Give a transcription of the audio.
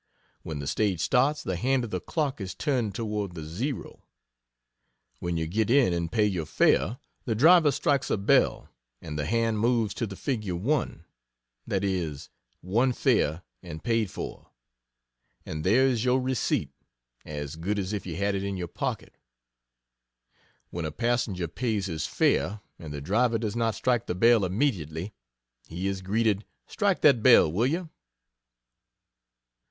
When the stage starts, the hand of the clock is turned toward the 0. When you get in and pay your fare, the driver strikes a bell, and the hand moves to the figure 1 that is, "one fare, and paid for," and there is your receipt, as good as if you had it in your pocket. When a passenger pays his fare and the driver does not strike the bell immediately, he is greeted "Strike that bell! will you?"